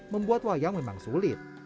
membuat wayang memang sulit